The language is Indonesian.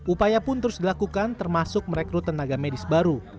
upaya pun terus dilakukan termasuk merekrut tenaga medis baru